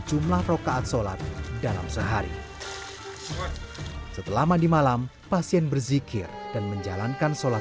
jumlah rokaat sholat dalam sehari setelah mandi malam pasien berzikir dan menjalankan sholat